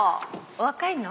お若いの？